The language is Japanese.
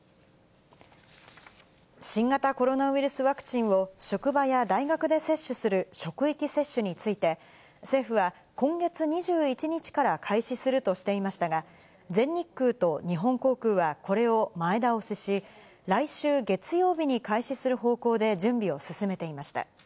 新型コロナウイルスワクチンを職場や大学で接種する職域接種について、政府は今月２１日から開始するとしていましたが、全日空と日本航空はこれを前倒しし、来週月曜日に開始する方向で準備を進めていました。